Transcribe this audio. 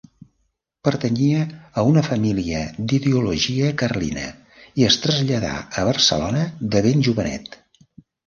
Pertanyia a una família d'ideologia carlina i es traslladà a Barcelona de ben jovenet.